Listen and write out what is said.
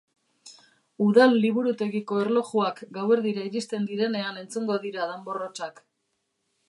Udal liburutegiko erlojuak gauerdira iristen direnean entzungo dira danbor hotsak.